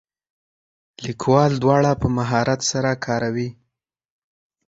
لیکوال دواړه په مهارت سره کاروي.